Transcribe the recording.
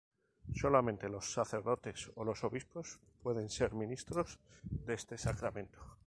Solamente los sacerdotes o los obispos pueden ser ministros de este sacramento.